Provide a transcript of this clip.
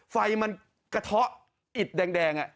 ไฟมันกระเทาะอิดแดง